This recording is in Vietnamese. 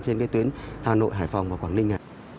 trên tuyến hà nội hải phòng và quảng ninh